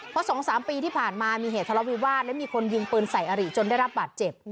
เพราะ๒๓ปีที่ผ่านมามีเหตุทะเลาวิวาสและมีคนยิงปืนใส่อาริจนได้รับบาดเจ็บ